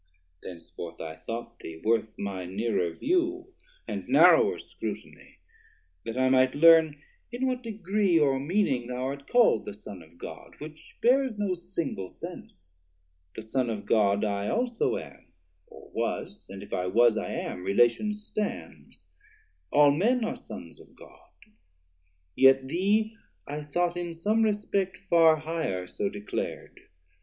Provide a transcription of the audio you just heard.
Thenceforth I thought thee worth my nearer view And narrower Scrutiny, that I might learn In what degree or meaning thou art call'd The Son of God, which bears no single sence; The Son of God I also am, or was, And if I was, I am; relation stands; All men are Sons of God; yet thee I thought 520 In some respect far higher so declar'd.